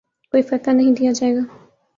کوئی فتویٰ نہیں دیا جائے گا